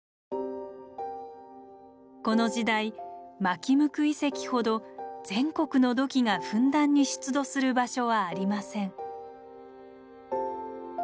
この時代纒向遺跡ほど全国の土器がふんだんに出土する場所はありません。